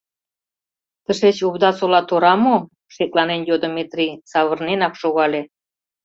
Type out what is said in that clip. — Тышеч Овдасола тора мо? — шекланен йодо Метрий, савырненак шогале.